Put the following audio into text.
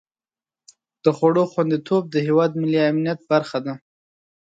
د خوړو خوندیتوب د هېواد ملي امنیت برخه ده.